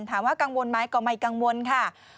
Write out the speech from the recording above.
ถามว่ากังวลไหมก็ไม่กังวลค่ะ